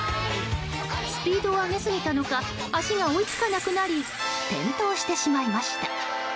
スピードを上げすぎたのか足が追い付かなくなり転倒してしまいました。